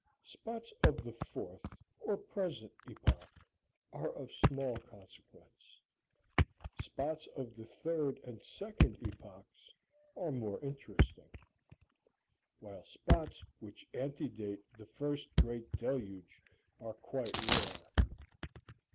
Spots of the fourth (or present) epoch are of small consequence; spots of the third and second epochs are more interesting; while spots which antedate the first great deluge are quite rare.